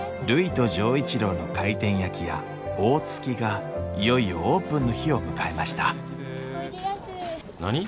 るいと錠一郎の回転焼き屋「大月」がいよいよオープンの日を迎えました何？